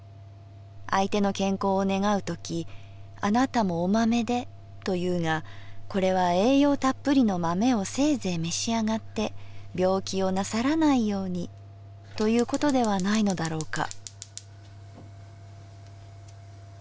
相手の健康を願うときというがこれは栄養たっぷりの豆をせいぜい召し上って病気をなさらないようにということではないのだろうか」。